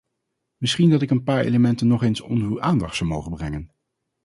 Misschien dat ik een paar elementen nog eens onder uw aandacht zou mogen brengen.